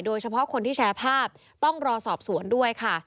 โดยเฉพาะคนที่แชร์ภาพต้องรอสอบสวนด้วยค่ะ